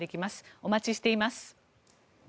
お待ちしています。